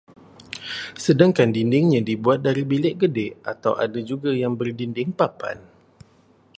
Sedangkan dindingnya dibuat dari bilik gedek atau ada juga yang berdinding papan